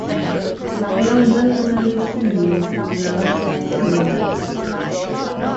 "A young gentleman to see you," announced the parlour-maid.